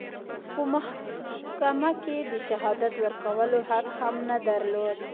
په محکمه کې د شهادت ورکولو حق هم نه درلود.